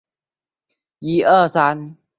霍黑纳尔泰姆是德国巴伐利亚州的一个市镇。